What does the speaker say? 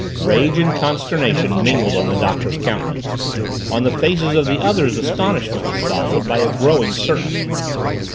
Rage and consternation mingled on the Doctor's countenance on the faces of the others astonishment was followed by a growing certainty.